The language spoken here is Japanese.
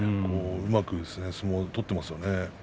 うまく相撲を取っていますね。